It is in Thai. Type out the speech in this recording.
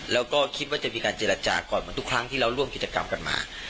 แล้วก็คิดว่าจะมีการเจรจาก่อนเหมือนทุกครั้งที่เราร่วมกิจกรรมกันมา